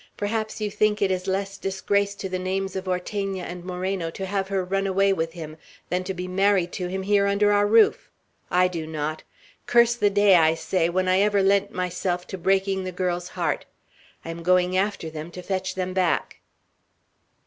Perhaps you think it is less disgrace to the names of Ortegna and Moreno to have her run away with him, than to be married to him here under our roof! I do not! Curse the day, I say, when I ever lent myself to breaking the girl's heart! I am going after them, to fetch them back!"